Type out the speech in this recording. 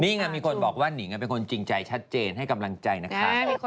นี่ไงมีคนบอกว่านิงเป็นคนจริงใจชัดเจนให้กำลังใจนะคะ